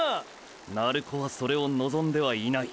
鳴子はそれを望んではいない。